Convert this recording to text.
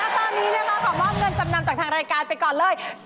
ตอนนี้นะคะขอมอบเงินจำนำจากทางรายการไปก่อนเลย